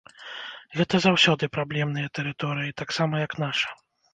Гэта заўсёды праблемныя тэрыторыі, таксама як наша.